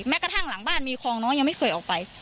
กระทั่งหลังบ้านมีคลองน้อยยังไม่เคยออกไป